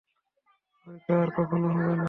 হয়তো আর কখনো হবে না।